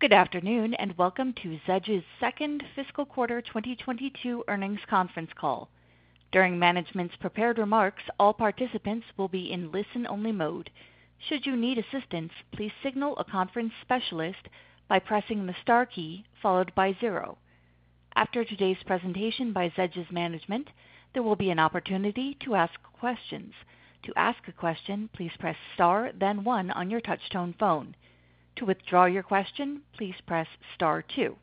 Good afternoon, and welcome to Zedge's Second Fiscal Quarter 2022 Earnings Conference Call. During management's prepared remarks, all participants will be in listen-only mode. Should you need assistance, please signal a conference specialist by pressing the star key followed by zero. After today's presentation by Zedge's management, there will be an opportunity to ask questions. To ask a question, please press star then one on your TouchTone phone. To withdraw your question, please press star two.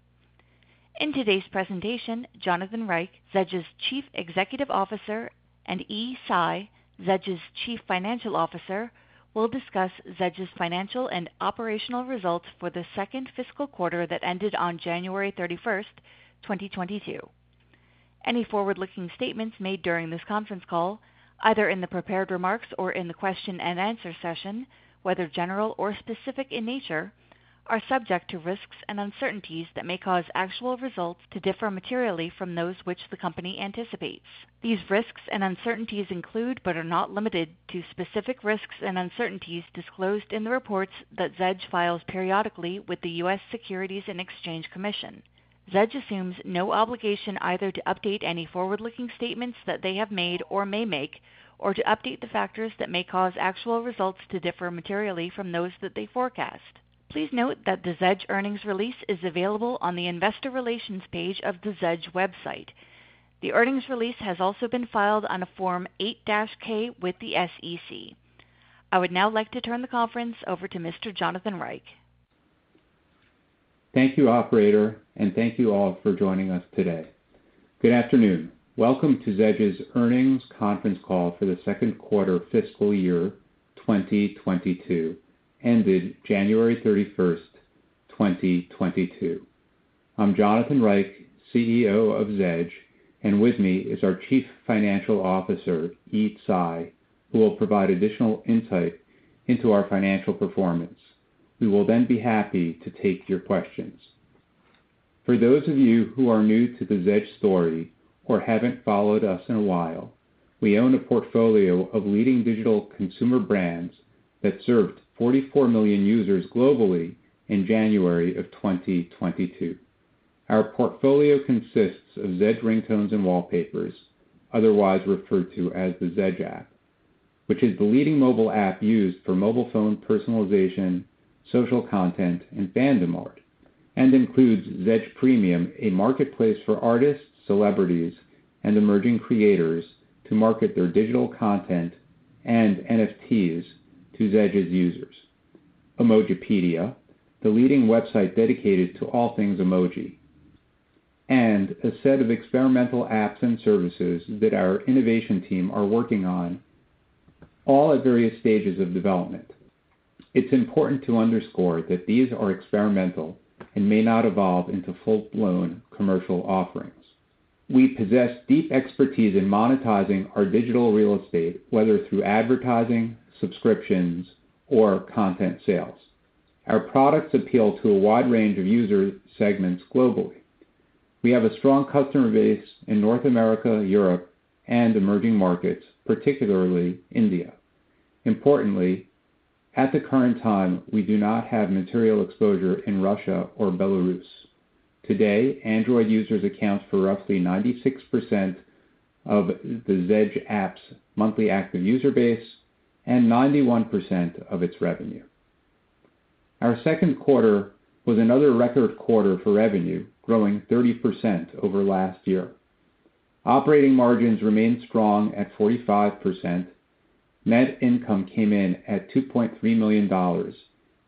In today's presentation, Jonathan Reich, Zedge's Chief Executive Officer, and Yi Tsai, Zedge's Chief Financial Officer, will discuss Zedge's financial and operational results for the second fiscal quarter that ended on January 31, 2022. Any forward-looking statements made during this conference call, either in the prepared remarks or in the question-and-answer session, whether general or specific in nature, are subject to risks and uncertainties that may cause actual results to differ materially from those which the company anticipates. These risks and uncertainties include, but are not limited to, specific risks and uncertainties disclosed in the reports that Zedge files periodically with the U.S. Securities and Exchange Commission. Zedge assumes no obligation either to update any forward-looking statements that they have made or may make, or to update the factors that may cause actual results to differ materially from those that they forecast. Please note that the Zedge earnings release is available on the investor relations page of the Zedge website. The earnings release has also been filed on a Form 8-K with the SEC. I would now like to turn the conference over to Mr. Jonathan Reich. Thank you, operator, and thank you all for joining us today. Good afternoon. Welcome to Zedge's Earnings Conference Call for the Second Quarter Fiscal Year 2022 ended January 31, 2022. I'm Jonathan Reich, CEO of Zedge, and with me is our Chief Financial Officer, Yi Tsai, who will provide additional insight into our financial performance. We will then be happy to take your questions. For those of you who are new to the Zedge story or haven't followed us in a while, we own a portfolio of leading digital consumer brands that served 44 million users globally in January of 2022. Our portfolio consists of Zedge: Ringtones & Wallpapers, otherwise referred to as the Zedge app, which is the leading mobile app used for mobile phone personalization, social content, and fandom art, and includes Zedge Premium, a marketplace for artists, celebrities, and emerging creators to market their digital content and NFTs to Zedge's users, Emojipedia, the leading website dedicated to all things emoji, and a set of experimental apps and services that our innovation team are working on, all at various stages of development. It's important to underscore that these are experimental and may not evolve into full-blown commercial offerings. We possess deep expertise in monetizing our digital real estate, whether through advertising, subscriptions, or content sales. Our products appeal to a wide range of user segments globally. We have a strong customer base in North America, Europe, and emerging markets, particularly India. Importantly, at the current time, we do not have material exposure in Russia or Belarus. Today, Android users account for roughly 96% of the Zedge app's monthly active user base and 91% of its revenue. Our second quarter was another record quarter for revenue, growing 30% over last year. Operating margins remained strong at 45%. Net income came in at $2.3 million,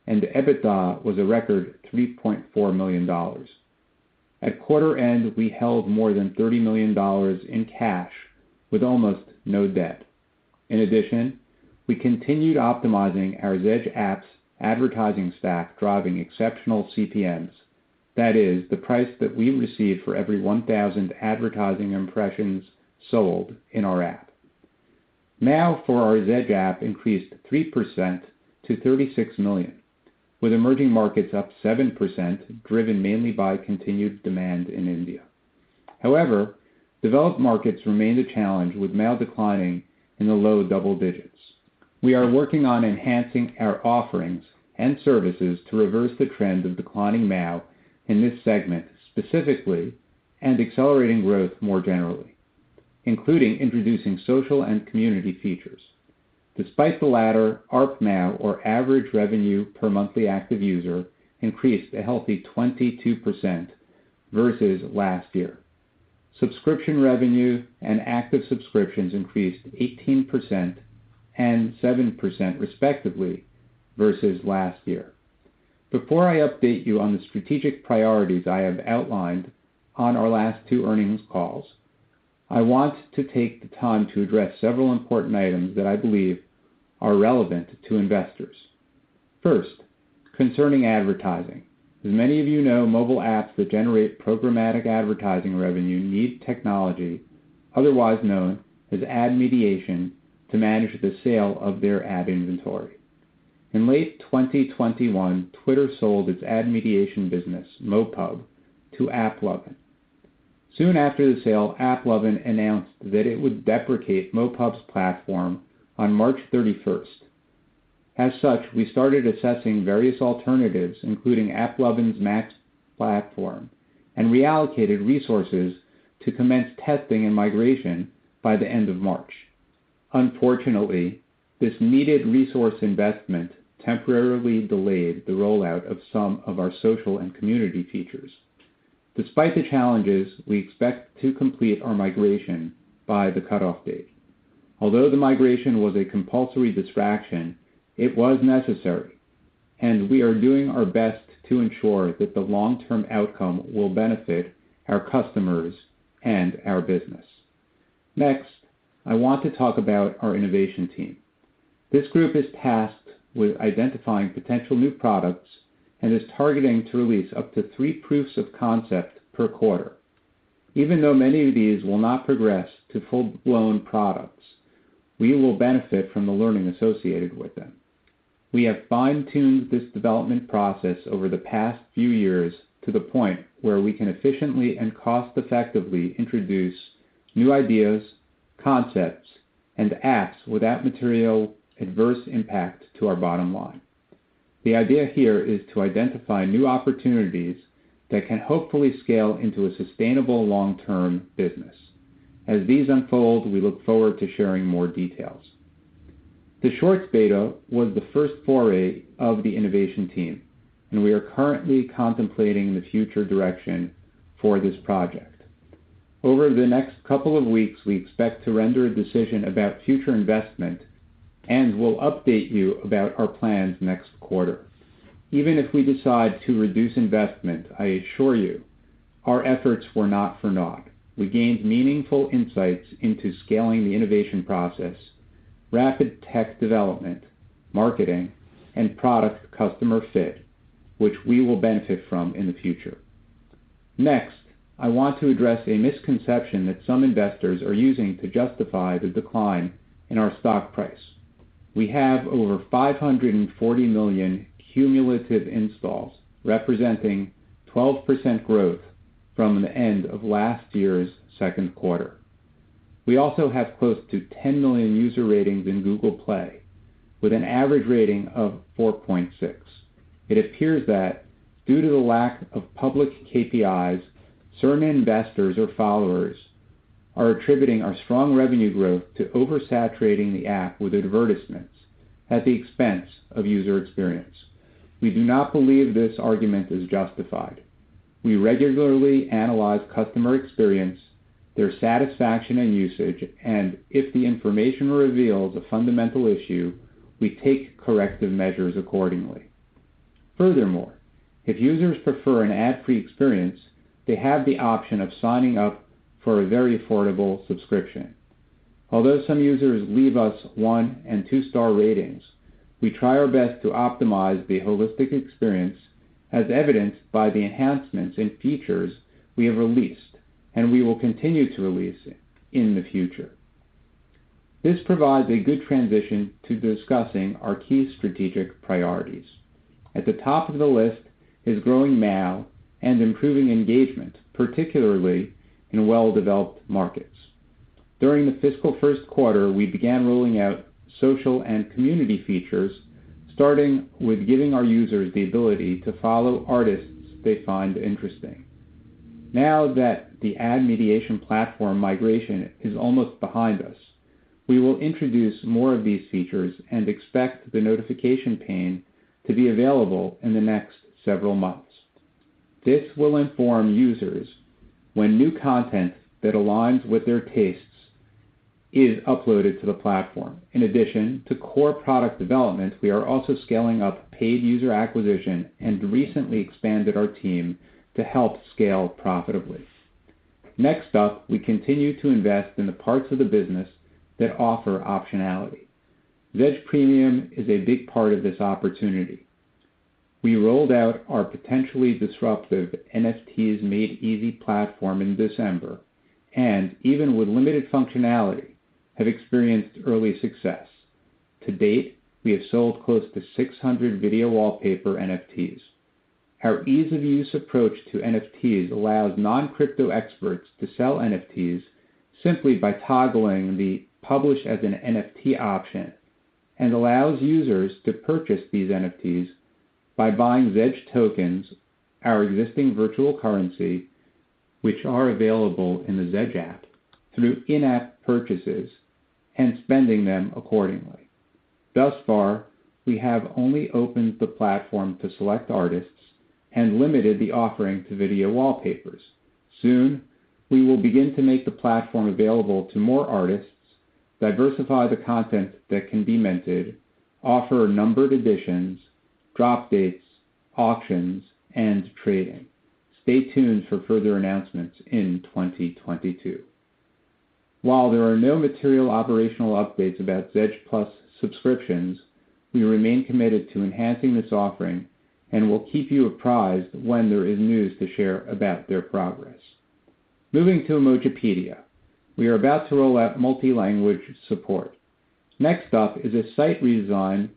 and EBITDA was a record $3.4 million. At quarter end, we held more than $30 million in cash with almost no debt. In addition, we continued optimizing our Zedge app's advertising stack, driving exceptional CPMs. That is the price that we receive for every 1,000 advertising impressions sold in our app. MAU for our Zedge app increased 3% to 36 million, with emerging markets up 7%, driven mainly by continued demand in India. However, developed markets remained a challenge, with MAU declining in the low double digits. We are working on enhancing our offerings and services to reverse the trend of declining MAU in this segment specifically and accelerating growth more generally, including introducing social and community features. Despite the latter, ARPMAU or average revenue per monthly active user increased a healthy 22% versus last year. Subscription revenue and active subscriptions increased 18% and 7% respectively, versus last year. Before I update you on the strategic priorities I have outlined on our last two earnings calls, I want to take the time to address several important items that I believe are relevant to investors. First, concerning advertising. As many of you know, mobile apps that generate programmatic advertising revenue need technology, otherwise known as Ad Mediation, to manage the sale of their ad inventory. In late 2021, Twitter sold its Ad Mediation business, MoPub, to AppLovin. Soon after the sale, AppLovin announced that it would deprecate MoPub's platform on March 31st. As such, we started assessing various alternatives, including AppLovin's MAX platform, and reallocated resources to commence testing and migration by the end of March. Unfortunately, this needed resource investment temporarily delayed the rollout of some of our social and community features. Despite the challenges, we expect to complete our migration by the cutoff date. Although the migration was a compulsory distraction, it was necessary, and we are doing our best to ensure that the long-term outcome will benefit our customers and our business. Next, I want to talk about our innovation team. This group is tasked with identifying potential new products and is targeting to release up to three proofs of concept per quarter. Even though many of these will not progress to full-blown products, we will benefit from the learning associated with them. We have fine-tuned this development process over the past few years to the point where we can efficiently and cost-effectively introduce new ideas, concepts, and apps without material adverse impact to our bottom line. The idea here is to identify new opportunities that can hopefully scale into a sustainable long-term business. As these unfold, we look forward to sharing more details. The Shorts beta was the first foray of the innovation team, and we are currently contemplating the future direction for this project. Over the next couple of weeks, we expect to render a decision about future investment and will update you about our plans next quarter. Even if we decide to reduce investment, I assure you our efforts were not for naught. We gained meaningful insights into scaling the innovation process, rapid tech development, marketing, and product customer fit, which we will benefit from in the future. Next, I want to address a misconception that some investors are using to justify the decline in our stock price. We have over 540 million cumulative installs, representing 12% growth from the end of last year's second quarter. We also have close to 10 million user ratings in Google Play with an average rating of 4.6. It appears that due to the lack of public KPIs, certain investors or followers are attributing our strong revenue growth to oversaturating the app with advertisements at the expense of user experience. We do not believe this argument is justified. We regularly analyze customer experience, their satisfaction and usage, and if the information reveals a fundamental issue, we take corrective measures accordingly. Furthermore, if users prefer an ad-free experience, they have the option of signing up for a very affordable subscription. Although some users leave us one- and two-star ratings, we try our best to optimize the holistic experience, as evidenced by the enhancements in features we have released and we will continue to release in the future. This provides a good transition to discussing our key strategic priorities. At the top of the list is growing MAU and improving engagement, particularly in well-developed markets. During the Fiscal First Quarter, we began rolling out social and community features, starting with giving our users the ability to follow artists they find interesting. Now that the Ad Mediation platform migration is almost behind us, we will introduce more of these features and expect the notification pane to be available in the next several months. This will inform users when new content that aligns with their tastes is uploaded to the platform. In addition to core product development, we are also scaling up paid user acquisition and recently expanded our team to help scale profitably. Next up, we continue to invest in the parts of the business that offer optionality. Zedge Premium is a big part of this opportunity. We rolled out our potentially disruptive NFTs Made Easy platform in December and, even with limited functionality, have experienced early success. To date, we have sold close to 600 video wallpaper NFTs. Our ease-of-use approach to NFTs allows non-crypto experts to sell NFTs simply by toggling the Publish as an NFT option and allows users to purchase these NFTs by buying Zedge tokens, our existing virtual currency, which are available in the Zedge app through in-app purchases and spending them accordingly. Thus far, we have only opened the platform to select artists and limited the offering to video wallpapers. Soon, we will begin to make the platform available to more artists, diversify the content that can be minted, offer numbered editions, drop dates, auctions, and trading. Stay tuned for further announcements in 2022. While there are no material operational updates about Zed Plus subscriptions, we remain committed to enhancing this offering and will keep you apprised when there is news to share about their progress. Moving to Emojipedia, we are about to roll out Multi-Language Support. Next up is a site redesign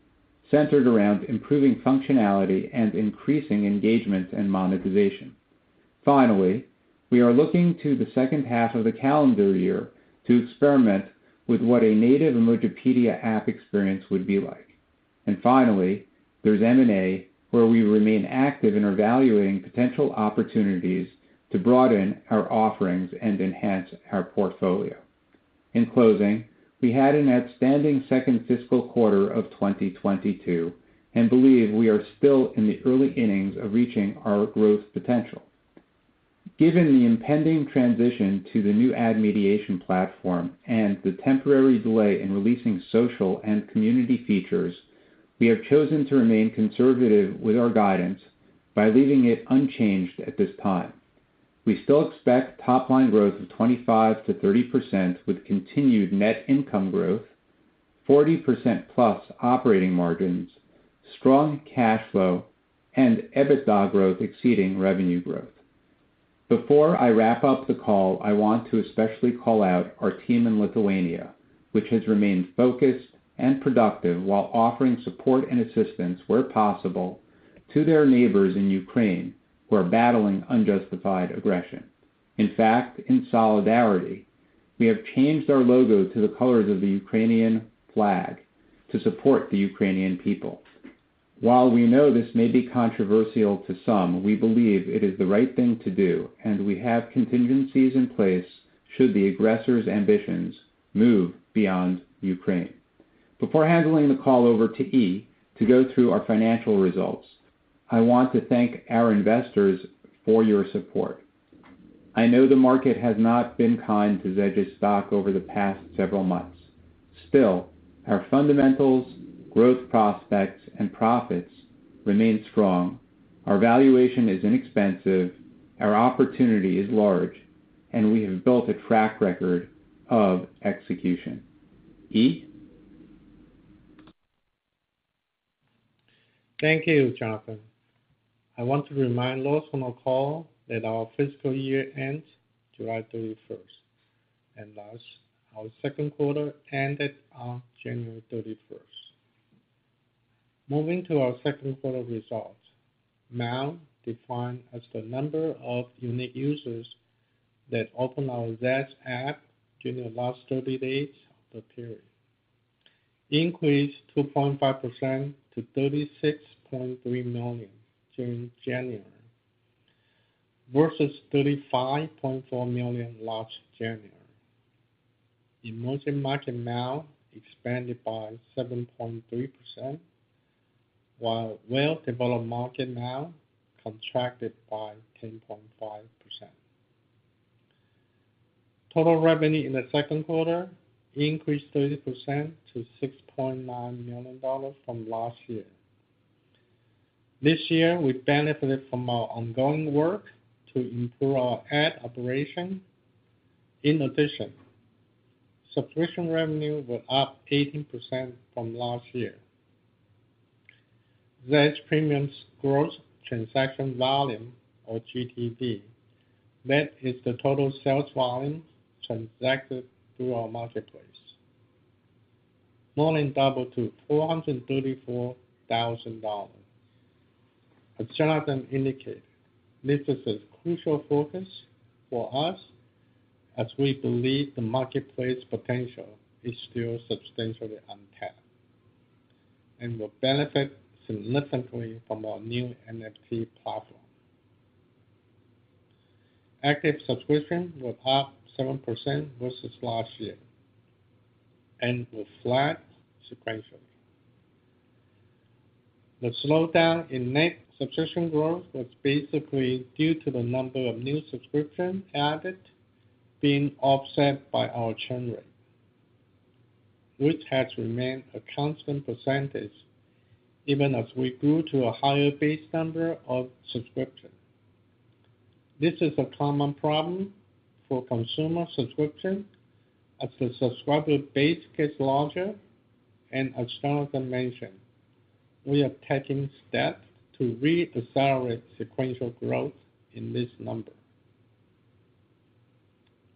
centered around improving functionality and increasing engagement and monetization. Finally, we are looking to the second half of the calendar year to experiment with what a native Emojipedia app experience would be like. Finally, there's M&A, where we remain active in evaluating potential opportunities to broaden our offerings and enhance our portfolio. In closing, we had an outstanding second fiscal quarter of 2022, and believe we are still in the early innings of reaching our growth potential. Given the impending transition to the new Ad Mediation platform and the temporary delay in releasing social and community features, we have chosen to remain conservative with our guidance by leaving it unchanged at this time. We still expect top-line growth of 25%-30% with continued net income growth, 40%+ operating margins, strong cash flow, and EBITDA growth exceeding revenue growth. Before I wrap up the call, I want to especially call out our team in Lithuania, which has remained focused and productive while offering support and assistance where possible to their neighbors in Ukraine who are battling unjustified aggression. In fact, in solidarity, we have changed our logo to the colors of the Ukrainian flag to support the Ukrainian people. While we know this may be controversial to some, we believe it is the right thing to do, and we have contingencies in place should the aggressor's ambitions move beyond Ukraine. Before handing the call over to Yi to go through our financial results, I want to thank our investors for your support. I know the market has not been kind to Zedge's stock over the past several months. Still, our fundamentals, growth prospects, and profits remain strong. Our valuation is inexpensive, our opportunity is large, and we have built a track record of execution. Yi? Thank you, Jonathan. I want to remind those on the call that our fiscal year ends July 31, and thus our second quarter ended on January 31. Moving to our second quarter results. MAU, defined as the number of unique users that open our Zedge app during the last 30 days of the period, increased 2.5% to 36.3 million during January, versus 35.4 million last January. Emerging market MAU expanded by 7.3%, while well-developed market MAU contracted by 10.5%. Total revenue in the second quarter increased 30% to $6.9 million from last year. This year, we benefited from our ongoing work to improve our ad operation. In addition, subscription revenue was up 18% from last year. Zedge Premium's gross transaction volume or GTV, that is the total sales volume transacted through our marketplace, more than doubled to $434,000. As Jonathan indicated, this is a crucial focus for us as we believe the marketplace potential is still substantially untapped and will benefit significantly from our new NFT platform. Active subscription was up 7% versus last year and was flat sequentially. The slowdown in net subscription growth was basically due to the number of new subscriptions added being offset by our churn rate, which has remained a constant percentage even as we grew to a higher base number of subscriptions. This is a common problem for consumer subscriptions as the subscriber base gets larger. As Jonathan mentioned, we are taking steps to re-accelerate sequential growth in this number.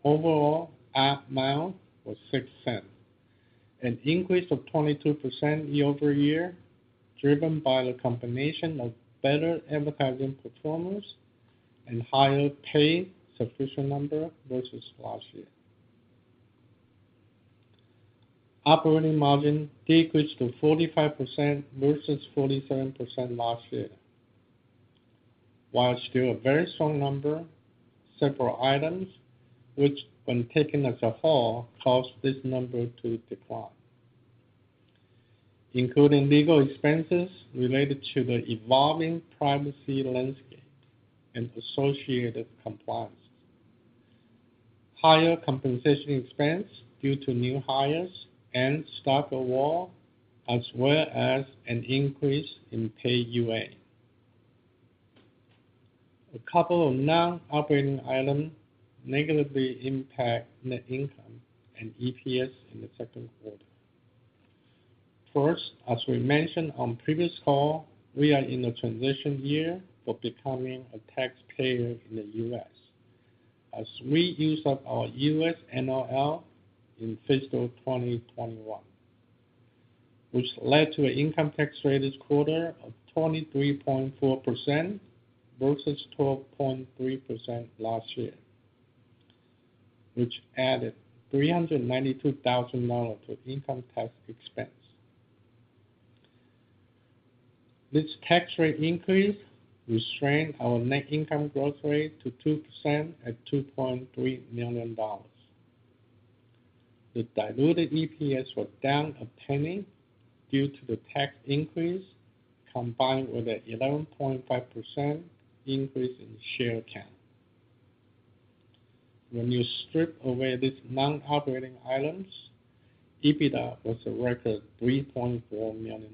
Overall, ARPMAU was $0.06, an increase of 22% year-over-year, driven by the combination of better advertising performance and higher paying subscription number versus last year. Operating margin decreased to 45% versus 47% last year. While still a very strong number, several items which, when taken as a whole, caused this number to decline, including legal expenses related to the evolving privacy landscape and associated compliance, higher compensation expense due to new hires and stock award, as well as an increase in paid UA. A couple of non-operating items negatively impact net income and EPS in the second quarter. First, as we mentioned on previous call, we are in a transition year for becoming a taxpayer in the U.S. as we use up our U.S. NOL in fiscal 2021, which led to an income tax rate this quarter of 23.4% versus 12.3% last year, which added $392,000 to income tax expense. This tax rate increase restrained our net income growth rate to 2% at $2.3 million. The diluted EPS was down $0.01 due to the tax increase, combined with the 11.5% increase in share count. When you strip away these non-operating items, EBITDA was a record $3.4 million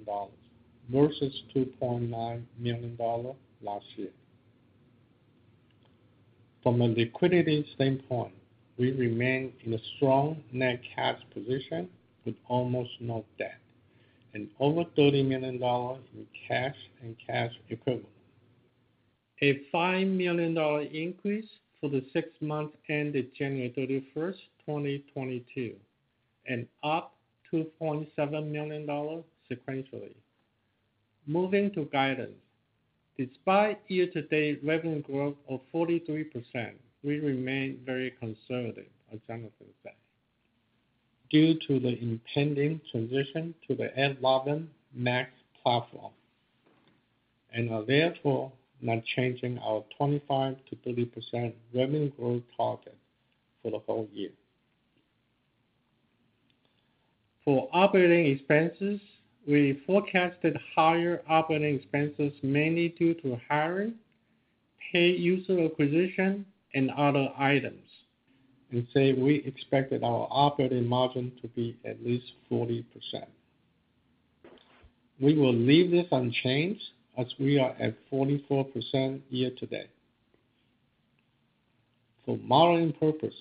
versus $2.9 million last year. From a liquidity standpoint, we remain in a strong net cash position with almost no debt and over $30 million in cash and cash equivalents, a $5 million increase for the six months ended January 31, 2022, and up $2.7 million sequentially. Moving to guidance. Despite year-to-date revenue growth of 43%, we remain very conservative, as Jonathan said, due to the impending transition to the AppLovin MAX platform and are therefore not changing our 25%-30% revenue growth target for the whole year. For operating expenses, we forecasted higher operating expenses mainly due to hiring, paid user acquisition, and other items, and we expect our operating margin to be at least 40%. We will leave this unchanged as we are at 44% year-to-date. For modeling purposes,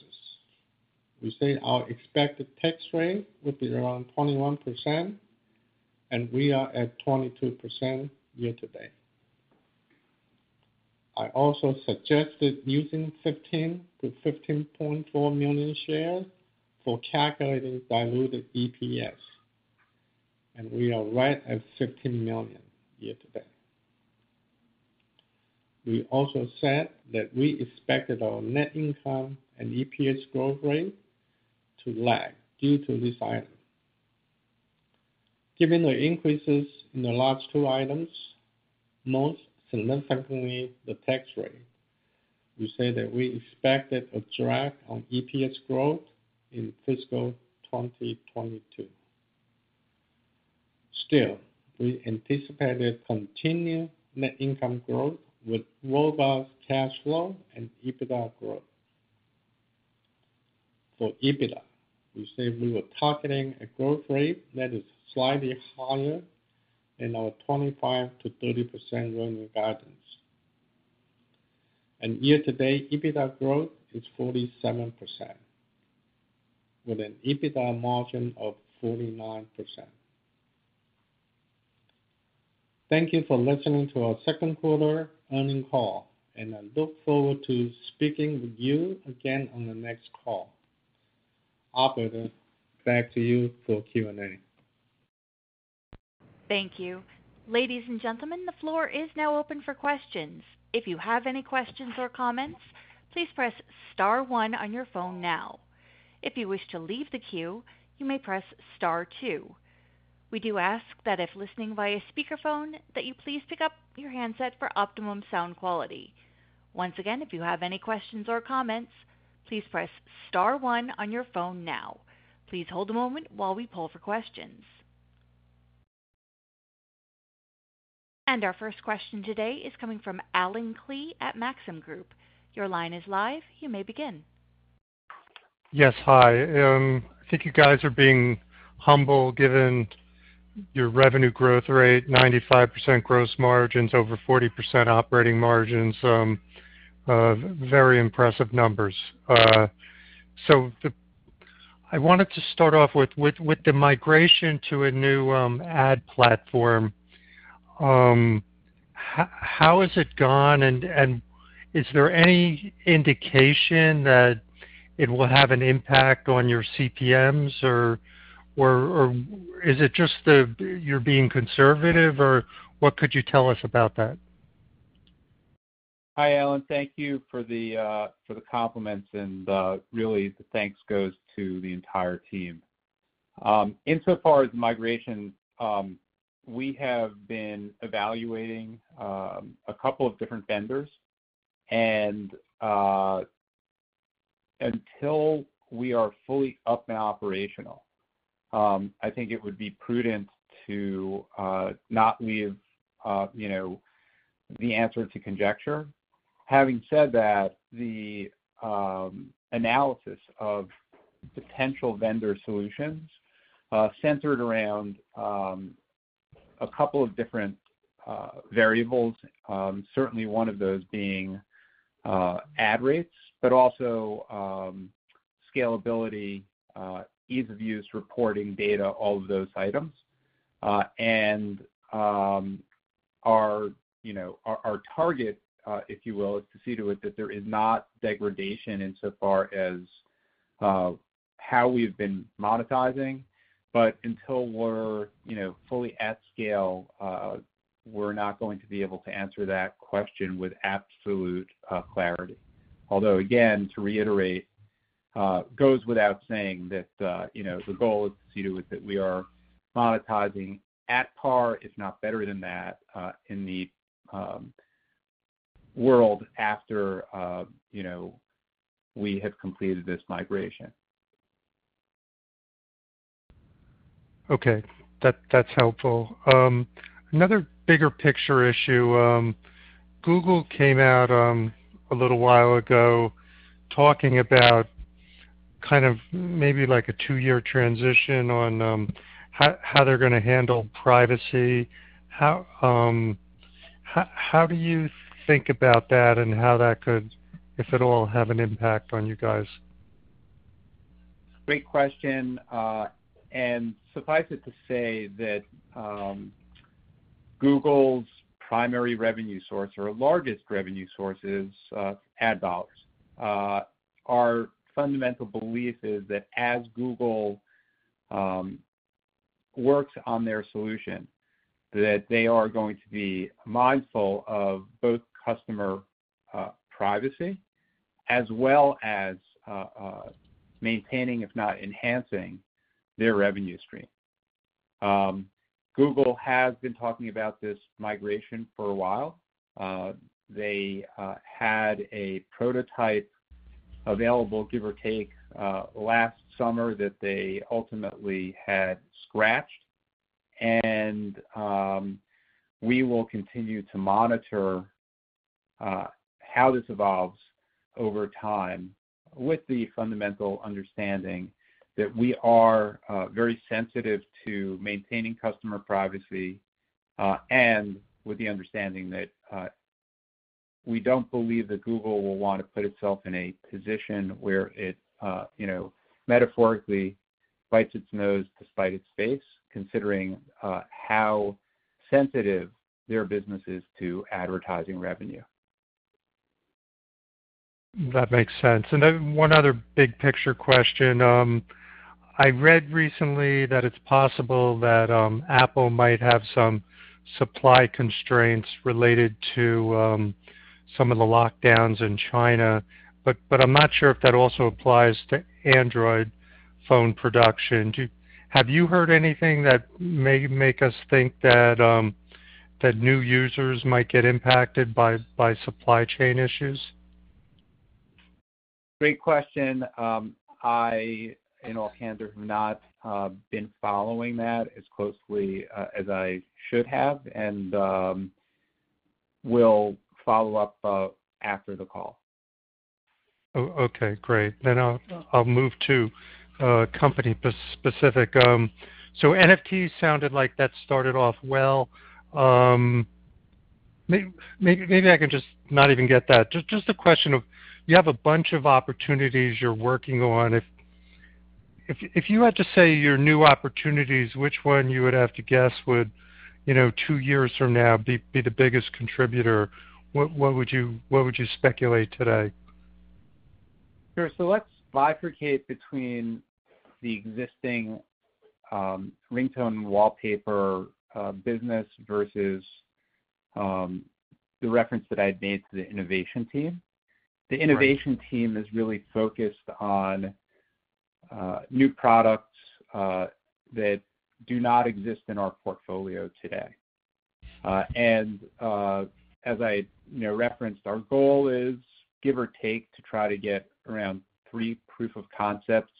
we say our expected tax rate would be around 21%, and we are at 22% year-to-date. I also suggested using 15-15.4 million shares for calculating diluted EPS, and we are right at 15 million year-to-date. We also said that we expected our net income and EPS growth rate to lag due to this item. Given the increases in the last two items, most significantly the tax rate, we say that we expected a drag on EPS growth in fiscal 2022. Still, we anticipated continued net income growth with robust cash flow and EBITDA growth. For EBITDA, we said we were targeting a growth rate that is slightly higher in our 25%-30% revenue guidance. Year-to-date EBITDA growth is 47% with an EBITDA margin of 49%. Thank you for listening to our second quarter earnings call, and I look forward to speaking with you again on the next call. Operator, back to you for Q&A. Thank you. Ladies and gentlemen, the floor is now open for questions. If you have any questions or comments, please press star one on your phone now. If you wish to leave the queue, you may press star two. We do ask that if listening via speakerphone that you please pick up your handset for optimum sound quality. Once again, if you have any questions or comments, please press star one on your phone now. Please hold a moment while we poll for questions. Our first question today is coming from Allen Klee at Maxim Group. Your line is live. You may begin. Yes. Hi. I think you guys are being humble given your revenue growth rate, 95% gross margins, over 40% operating margins, very impressive numbers. I wanted to start off with the migration to a new ad platform. How has it gone, and is there any indication that it will have an impact on your CPMs or is it just that you're being conservative or what could you tell us about that? Hi, Allen. Thank you for the compliments, and really the thanks goes to the entire team. Insofar as migration, we have been evaluating a couple of different vendors, and until we are fully up and operational, I think it would be prudent to not leave, you know, the answer to conjecture. Having said that, the analysis of potential vendor solutions centered around a couple of different variables. Certainly one of those being ad rates, but also scalability, ease of use, reporting data, all of those items. Our, you know, target, if you will, is to see to it that there is not degradation insofar as how we've been monetizing. Until we're, you know, fully at scale, we're not going to be able to answer that question with absolute clarity. Although, again, to reiterate, goes without saying that, you know, the goal is to see to it that we are monetizing at par, if not better than that, in the world after, you know, we have completed this migration. Okay. That, that's helpful. Another bigger picture issue, Google came out a little while ago talking about kind of maybe like a two-year transition on how they're gonna handle privacy. How do you think about that and how that could, if at all, have an impact on you guys? Great question. Suffice it to say that Google's primary revenue source or largest revenue source is ad dollars. Our fundamental belief is that as Google works on their solution, that they are going to be mindful of both customer privacy as well as maintaining, if not enhancing their revenue stream. Google has been talking about this migration for a while. They had a prototype available, give or take, last summer that they ultimately had scrapped. We will continue to monitor how this evolves over time with the fundamental understanding that we are very sensitive to maintaining customer privacy, and with the understanding that we don't believe that Google will want to put itself in a position where it, you know, metaphorically bites its nose to spite its face, considering how sensitive their business is to advertising revenue. That makes sense. One other big picture question. I read recently that it's possible that Apple might have some supply constraints related to some of the lockdowns in China, but I'm not sure if that also applies to Android phone production. Have you heard anything that may make us think that new users might get impacted by supply chain issues? Great question. I, in all candor, have not been following that as closely as I should have, and will follow up after the call. Okay, great. I'll move to company specific. So NFT sounded like that started off well. Maybe I can just not even get that. Just a question of you have a bunch of opportunities you're working on. If you had to say your new opportunities, which one you would have to guess would, you know, two years from now be the biggest contributor, what would you speculate today? Sure. Let's bifurcate between the existing ringtone wallpaper business versus the reference that I had made to the innovation team. Right. The innovation team is really focused on new products that do not exist in our portfolio today. As I, you know, referenced, our goal is, give or take, to try to get around three proof of concepts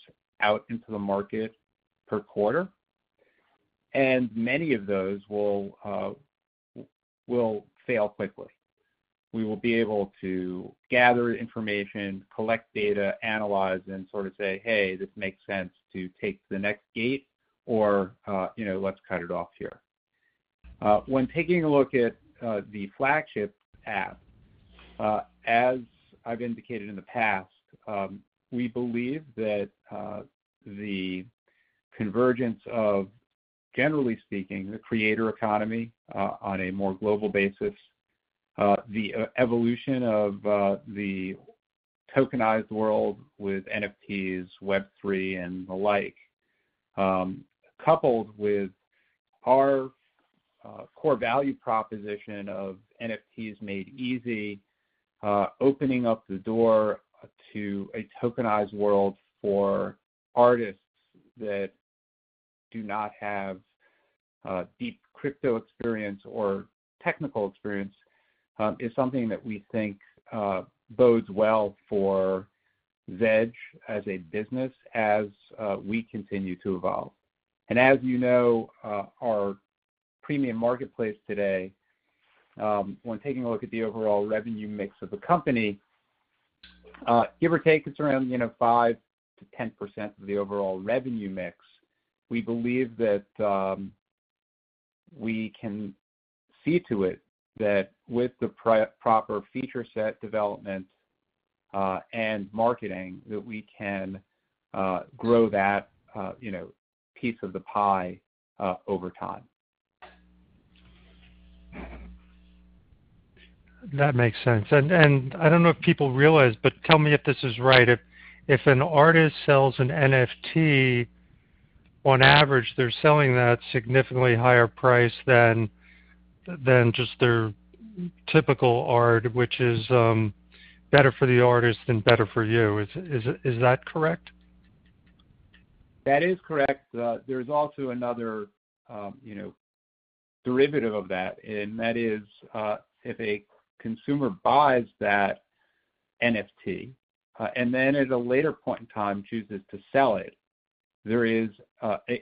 out into the market per quarter, and many of those will fail quickly. We will be able to gather information, collect data, analyze, and sort of say, "Hey, this makes sense to take to the next gate," or, you know, "Let's cut it off here." When taking a look at the flagship app, as I've indicated in the past, we believe that the convergence of, generally speaking, the creator economy on a more global basis, the evolution of the tokenized world with NFTs, Web3, and the like, coupled with our core value proposition of NFTs Made Easy, opening up the door to a tokenized world for artists that do not have deep crypto experience or technical experience, is something that we think bodes well for Zedge as a business as we continue to evolve. As you know, our premium marketplace today, when taking a look at the overall revenue mix of the company. Give or take, it's around, you know, 5%-10% of the overall revenue mix. We believe that we can see to it that with the proper feature set development and marketing, that we can grow that, you know, piece of the pie over time. That makes sense. I don't know if people realize, but tell me if this is right. If an artist sells an NFT, on average, they're selling that significantly higher price than just their typical art, which is better for the artist and better for you. Is that correct? That is correct. There's also another, you know, derivative of that, and that is, if a consumer buys that NFT, and then at a later point in time chooses to sell it, there is,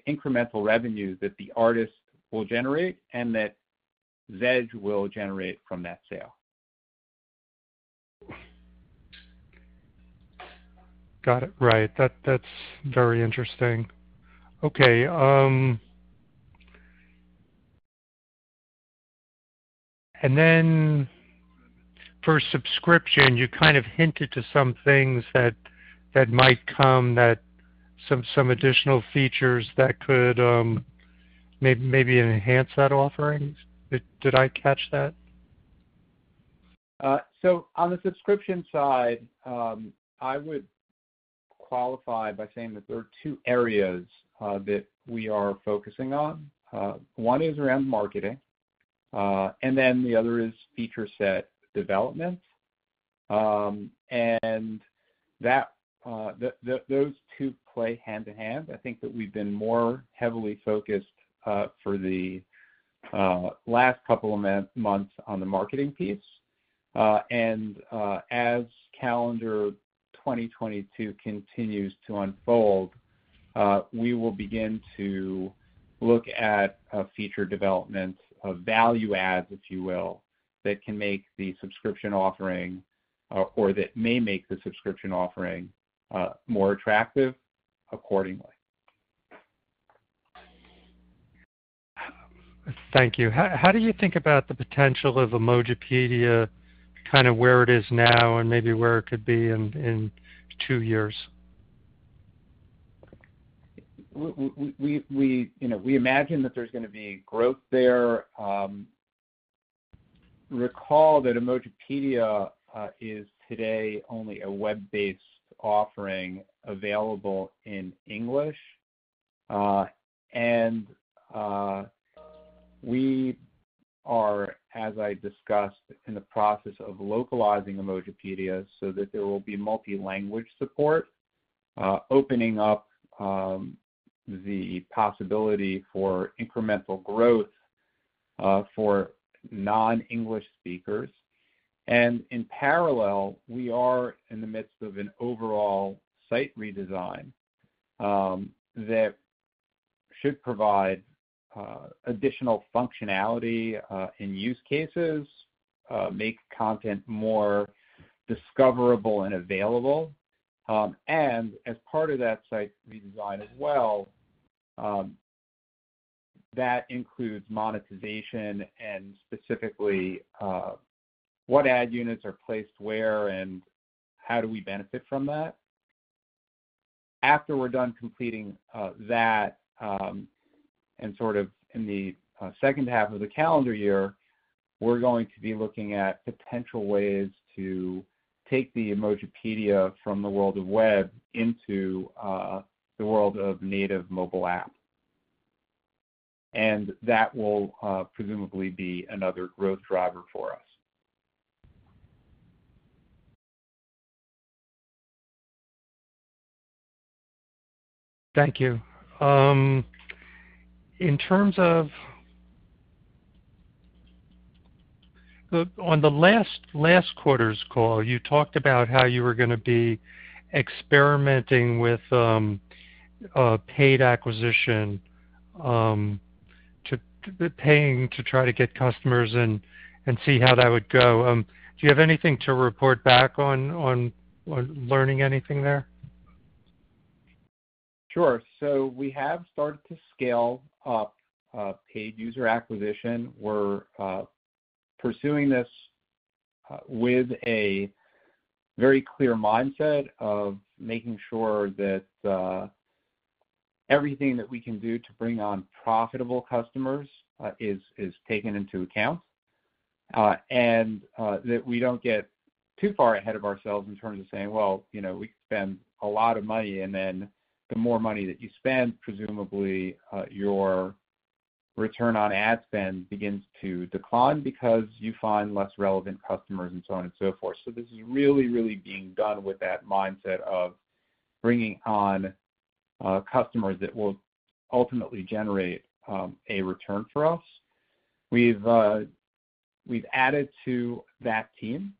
incremental revenue that the artist will generate and that Zedge will generate from that sale. Got it. Right. That's very interesting. Okay. Then for subscription, you kind of hinted to some things that might come that some additional features that could maybe enhance that offering. Did I catch that? On the subscription side, I would qualify by saying that there are two areas that we are focusing on. One is around marketing, and then the other is feature set development. Those two play hand in hand. I think that we've been more heavily focused for the last couple of months on the marketing piece. As calendar 2022 continues to unfold, we will begin to look at feature development of value adds, if you will, that can make the subscription offering or that may make the subscription offering more attractive accordingly. Thank you. How do you think about the potential of Emojipedia, kind of where it is now and maybe where it could be in two years? We, you know, we imagine that there's gonna be growth there. Recall that Emojipedia is today only a web-based offering available in English. We are, as I discussed, in the process of localizing Emojipedia so that there will be Multi-Language Support, opening up the possibility for incremental growth for non-English speakers. In parallel, we are in the midst of an overall site redesign that should provide additional functionality in use cases, make content more discoverable and available. As part of that site redesign as well, that includes monetization and specifically, what ad units are placed where and how do we benefit from that. After we're done completing that, and sort of in the second half of the calendar year, we're going to be looking at potential ways to take the Emojipedia from the world of web into the world of native mobile app. That will presumably be another growth driver for us. Thank you. In terms of the last quarter's call, you talked about how you were gonna be experimenting with paid acquisition, paying to try to get customers and see how that would go. Do you have anything to report back on learning anything there? Sure. We have started to scale up paid user acquisition. We're pursuing this with a very clear mindset of making sure that everything that we can do to bring on profitable customers is taken into account, and that we don't get too far ahead of ourselves in terms of saying, "Well, you know, we can spend a lot of money." Then the more money that you spend, presumably, your return on ad spend begins to decline because you find less relevant customers and so on and so forth. This is really, really being done with that mindset of bringing on customers that will ultimately generate a return for us. We've added to that team,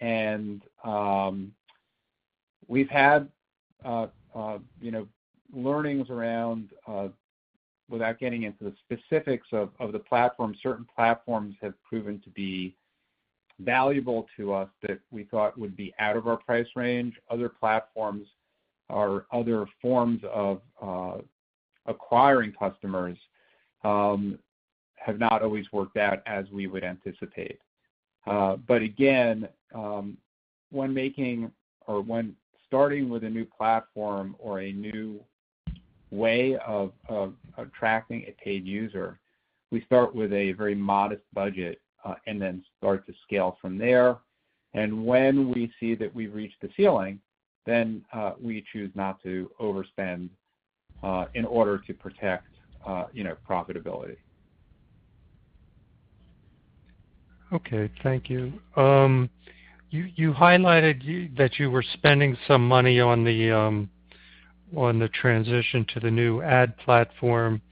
and we've had, you know, learnings around without getting into the specifics of the platform. Certain platforms have proven to be valuable to us that we thought would be out of our price range. Other platforms or other forms of acquiring customers have not always worked out as we would anticipate. But again, when making or when starting with a new platform or a new way of attracting a paid user, we start with a very modest budget and then start to scale from there. When we see that we've reached the ceiling, then we choose not to overspend, you know, in order to protect profitability. Okay. Thank you. You highlighted that you were spending some money on the transition to the new ad platform.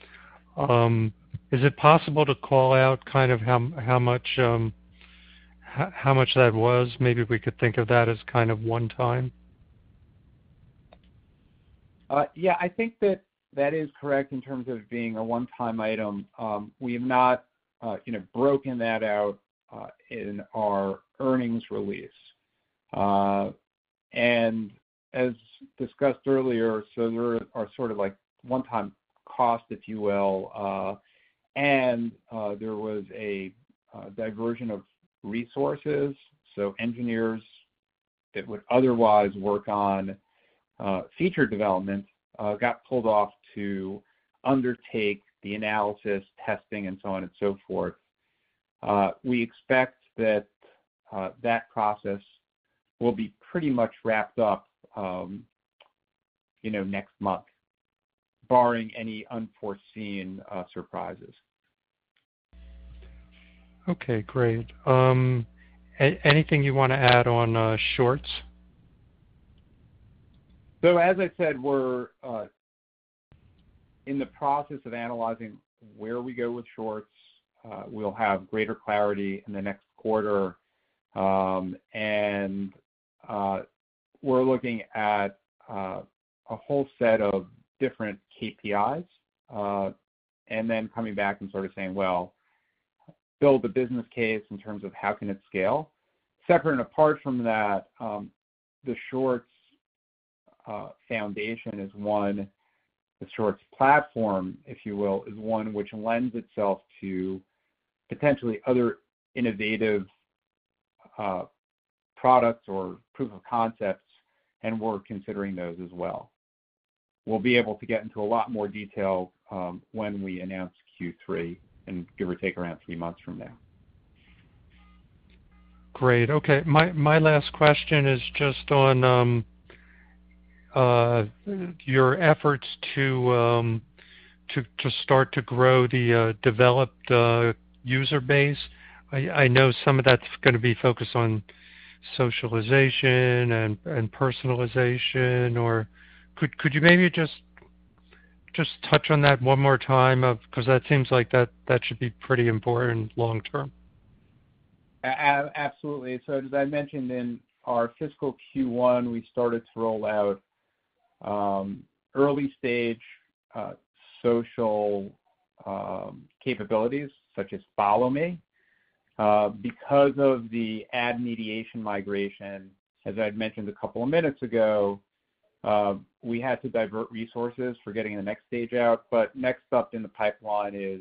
Is it possible to call out kind of how much that was? Maybe we could think of that as kind of one time. Yeah, I think that is correct in terms of being a one-time item. We have not, you know, broken that out in our earnings release. As discussed earlier, there are sort of like one-time costs, if you will, and there was a diversion of resources. Engineers that would otherwise work on feature development got pulled off to undertake the analysis, testing and so on and so forth. We expect that process will be pretty much wrapped up, you know, next month, barring any unforeseen surprises. Okay, great. Anything you wanna add on Shorts? As I said, we're in the process of analyzing where we go with Shorts. We'll have greater clarity in the next quarter. We're looking at a whole set of different KPIs, and then coming back and sort of saying, well, build the business case in terms of how can it scale. Separate and apart from that, the Shorts foundation is one, the Shorts platform, if you will, is one which lends itself to potentially other innovative products or proof of concepts, and we're considering those as well. We'll be able to get into a lot more detail when we announce Q3 and give or take around three months from now. Great. Okay. My last question is just on your efforts to start to grow the developed user base. I know some of that's gonna be focused on socialization and personalization. Could you maybe just touch on that one more time 'cause that seems like that should be pretty important long term. Absolutely. As I mentioned in our fiscal Q1, we started to roll out early stage social capabilities such as Follow Me. Because of the Ad Mediation migration, as I'd mentioned a couple of minutes ago, we had to divert resources for getting the next stage out. Next up in the pipeline is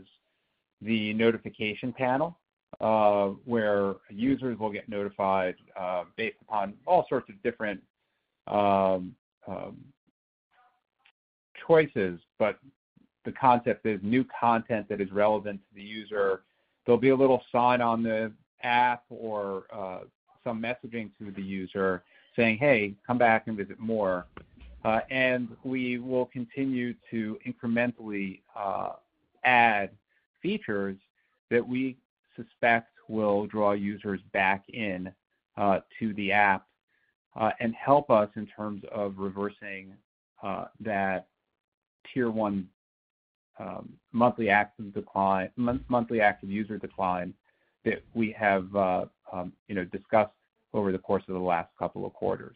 the notification panel, where users will get notified based upon all sorts of different choices. The concept is new content that is relevant to the user. There'll be a little sign on the app or some messaging to the user saying, "Hey, come back and visit more." We will continue to incrementally add features that we suspect will draw users back in to the app and help us in terms of reversing that tier one monthly active user decline that we have you know discussed over the course of the last couple of quarters.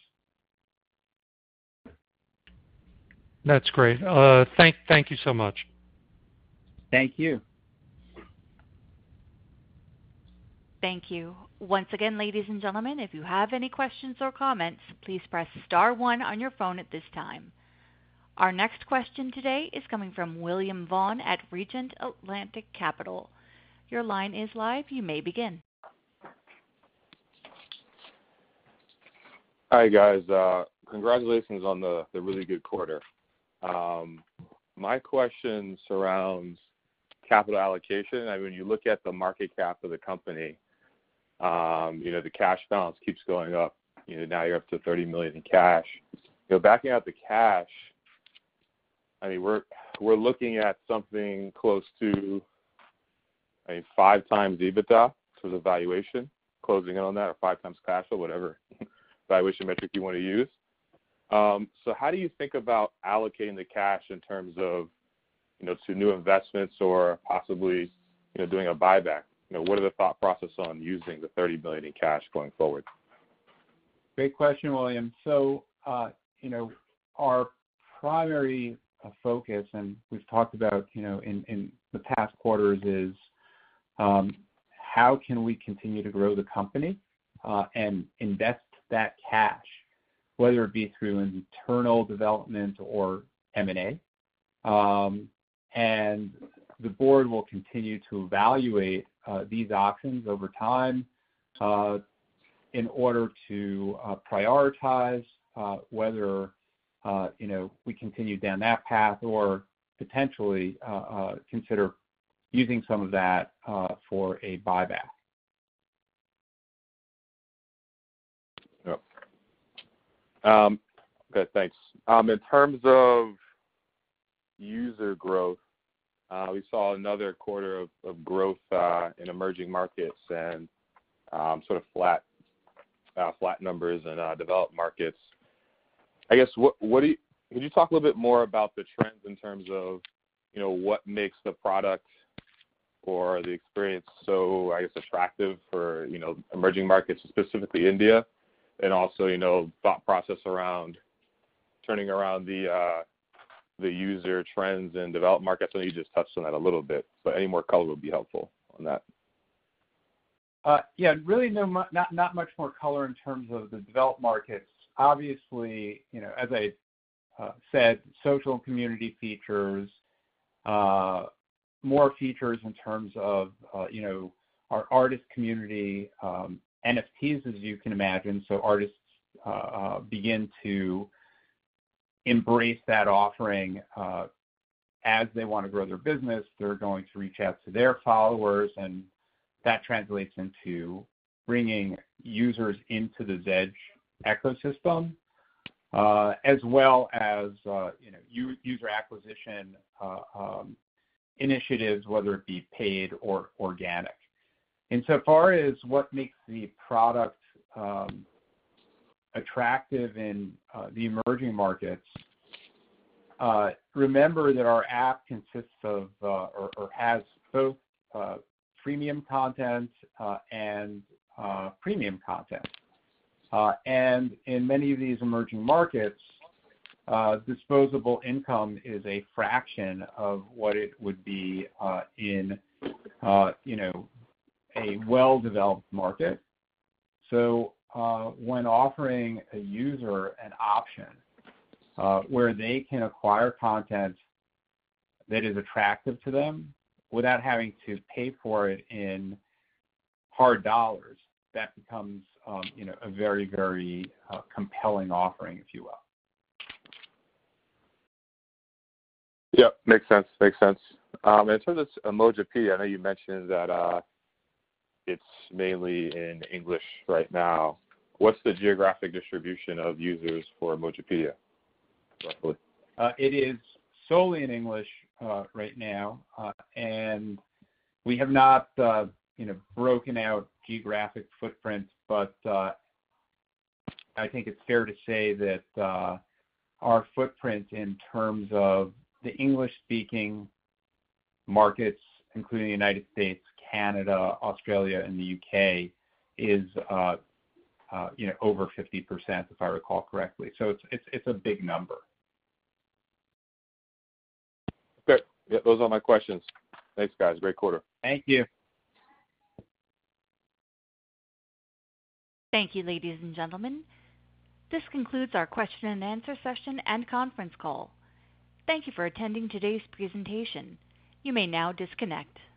That's great. Thank you so much. Thank you. Thank you. Once again, ladies and gentlemen, if you have any questions or comments, please press star one on your phone at this time. Our next question today is coming from William Vaughan at RegentAtlantic Capital. Your line is live. You may begin. Hi, guys. Congratulations on the really good quarter. My question surrounds capital allocation. I mean, when you look at the market cap of the company, you know, the cash balance keeps going up. You know, now you're up to $30 million in cash. You know, backing out the cash, I mean, we're looking at something close to, I mean, 5x EBITDA to the valuation, closing in on that or 5x cash or whatever valuation metric you wanna use. How do you think about allocating the cash in terms of, you know, to new investments or possibly, you know, doing a buyback? You know, what are the thought process on using the $30 million in cash going forward? Great question, William. You know, our primary focus, and we've talked about, you know, in the past quarters is how we can continue to grow the company and invest that cash, whether it be through internal development or M&A. The board will continue to evaluate these options over time in order to prioritize whether, you know, we continue down that path or potentially consider using some of that for a buyback. Yep. Good, thanks. In terms of user growth, we saw another quarter of growth in emerging markets and sort of flat numbers in developed markets. Could you talk a little bit more about the trends in terms of, you know, what makes the product or the experience so I guess attractive for, you know, emerging markets, specifically India? And also, you know, thought process around turning around the user trends in developed markets. I know you just touched on that a little bit, but any more color would be helpful on that. Yeah, really not much more color in terms of the developed markets. Obviously, you know, as I said, social and community features, more features in terms of, you know, our artist community, NFTs, as you can imagine. Artists begin to embrace that offering, as they wanna grow their business, they're going to reach out to their followers, and that translates into bringing users into the Zedge ecosystem. As well as, you know, user acquisition initiatives, whether it be paid or organic. So far as what makes the product attractive in the emerging markets, remember that our app consists of, or has both, freemium content, and premium content. In many of these emerging markets, disposable income is a fraction of what it would be in you know a well-developed market. When offering a user an option where they can acquire content that is attractive to them without having to pay for it in hard dollars, that becomes you know a very compelling offering, if you will. Yep, makes sense. In terms of Emojipedia, I know you mentioned that, it's mainly in English right now. What's the geographic distribution of users for Emojipedia, roughly? It is solely in English right now. We have not, you know, broken out geographic footprints, but I think it's fair to say that our footprint in terms of the English-speaking markets, including the United States, Canada, Australia, and the U.K., is, you know, over 50%, if I recall correctly. It's a big number. Okay. Yep, those are my questions. Thanks, guys. Great quarter. Thank you. Thank you, ladies and gentlemen. This concludes our question and answer session and conference call. Thank you for attending today's presentation. You may now disconnect.